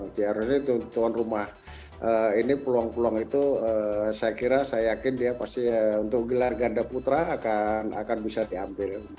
jadi harusnya itu tuan rumah ini pulang pulang itu saya kira saya yakin dia pasti untuk ganda putra akan bisa diambil